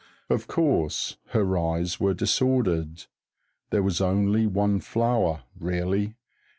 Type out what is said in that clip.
Of course her eyes were disordered. There was only one flower, really.